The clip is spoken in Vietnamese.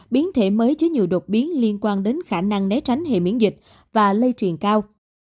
biến thể mới chứa nhiều đột biến liên quan đến khả năng né tránh hệ miễn dịch và lây truyền cao